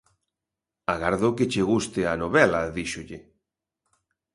Agardo que che guste a novela, díxolle.